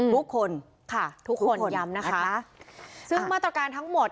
ทุกคนย้ำนะคะซึ่งมาตรการทั้งหมด